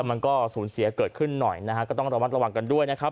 มันก็สูญเสียเกิดขึ้นหน่อยนะฮะก็ต้องระมัดระวังกันด้วยนะครับ